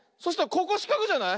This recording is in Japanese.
ここしかくじゃない？